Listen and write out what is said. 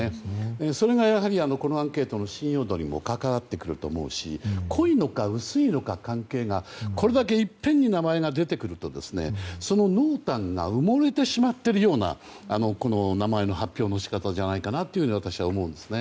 それが、やはりこのアンケートの信用度にも関わると思うし濃いのか薄いのか、関係がこれだけ結果が出えるとその濃淡が埋もれてしまっているような名前の発表の仕方だと私は思うんですね。